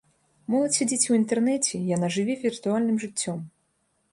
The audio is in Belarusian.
Моладзь сядзіць у інтэрнэце, яна жыве віртуальным жыццём.